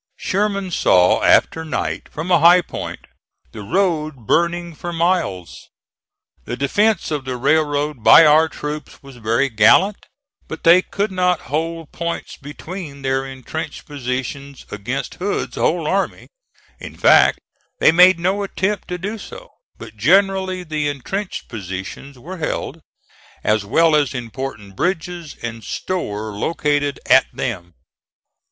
Sherman saw after night, from a high point, the road burning for miles. The defence of the railroad by our troops was very gallant, but they could not hold points between their intrenched positions against Hood's whole army; in fact they made no attempt to do so; but generally the intrenched positions were held, as well as important bridges, and store located at them.